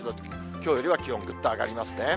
きょうよりは気温ぐっと上がりますね。